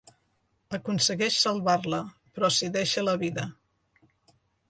Aconsegueix salvar-la, però s'hi deixa la vida.